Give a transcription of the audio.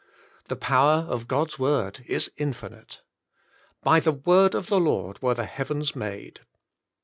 The power of God's word is infinite. " By the word of the Lord were the heavens made.